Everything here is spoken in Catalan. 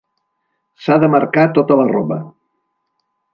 S'ha de marcar tota la roba.